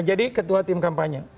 jadi ketua tim kampanye